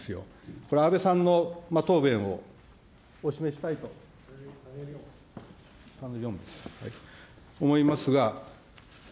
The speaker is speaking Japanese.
これは安倍さんの答弁をお示ししたいと思いますが。